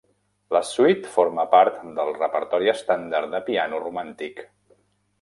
La suite forma part del repertori estàndard de piano romàntic.